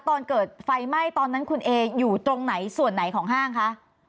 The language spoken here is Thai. ตอนเกิดไฟไหม้ตอนนั้นคุณเออยู่ตรงไหนส่วนไหนของห้างคะ